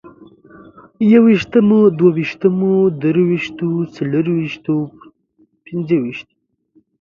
يوويشتو، دوه ويشتو، درويشتو، څلرويشتو، څلورويشتو، پنځه ويشتو